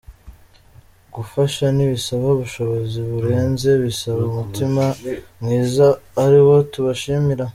Gufasha ntibisaba ubushobozi burenze, bisaba umutima mwiza ari wo tubashimira.